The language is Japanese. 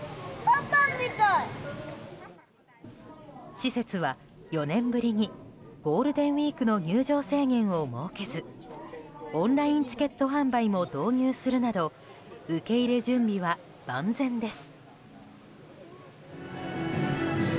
施設は４年ぶりにゴールデンウィークの入場制限を設けずオンラインチケット販売も導入するなど受け入れ準備は万全です。